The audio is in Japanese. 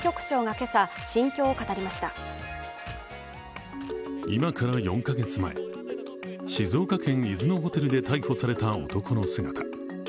今から４カ月前、静岡県伊豆のホテルで逮捕された男の姿。